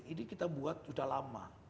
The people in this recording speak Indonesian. ini kita buat sudah lama